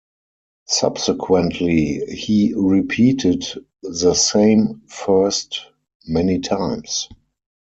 Subsequently, he repeated the same "first" many times.